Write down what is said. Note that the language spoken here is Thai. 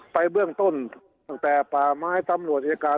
ไปเบื้องต้นตั้งแต่ป่าไม้ตำรวจอายการ